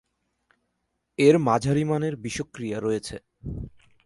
এর মাঝারি মানের বিষক্রিয়া রয়েছে।